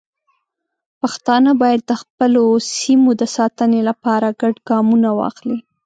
پښتانه باید د خپلو سیمو د ساتنې لپاره ګډ ګامونه واخلي.